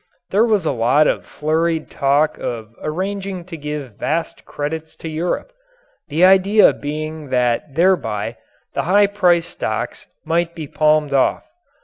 There was a lot of flurried talk of arranging to give vast credits to Europe the idea being that thereby the high priced stocks might be palmed off.